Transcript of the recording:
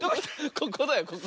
ここだよ。